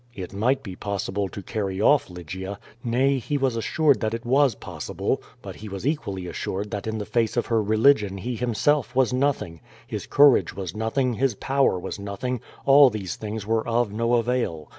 It might be possible to carry off Lygia; nay, he was assured that it was possible, but he was equally assured that in the face of her religion he himself was nothing, his courage was nothing, his power was nothing, all these things were of no avail.